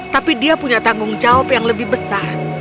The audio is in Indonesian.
tapi dia punya tanggung jawab yang lebih besar